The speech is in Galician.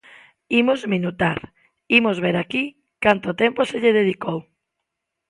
Imos minutar, imos ver aquí canto tempo se lle dedicou.